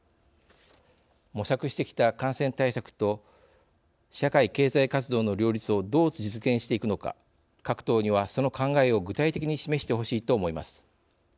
模索してきた感染対策と社会経済活動の両立をどう実現していくのか各党には、その考えを具体的に示してほしいと思います。